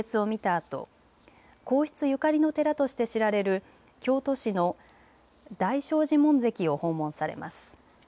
あと皇室ゆかりの寺として知られる京都市の大聖寺門跡を訪問されます。